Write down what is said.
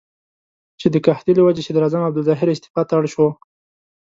چې د قحطۍ له وجې صدراعظم عبدالظاهر استعفا ته اړ شو.